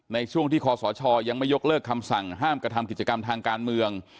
ในช่วงที่คอสชยังไม่ยกเลิกคำสั่งห้ามกระทำกิจกรรมทางการเมือง